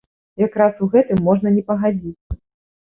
Якраз у гэтым можна не пагадзіцца.